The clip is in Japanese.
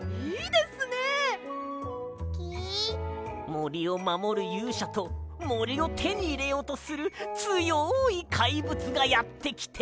もりをまもるゆうしゃともりをてにいれようとするつよいかいぶつがやってきて。